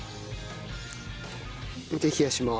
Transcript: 冷やします。